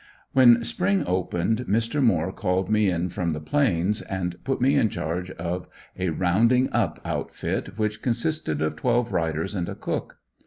When spring opened Mr. Moore called me in from the Plains and put me in charge of a rounding up outfit, which consisted of twelve riders and a cook.